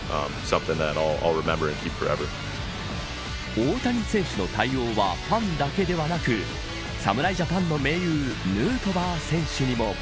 大谷選手の対応はファンだけではなく侍ジャパンの盟友ヌートバー選手にも。